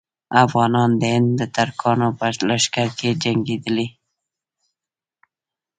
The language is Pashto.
افغانان د هند د ترکانو په لښکرو کې جنګېدلي.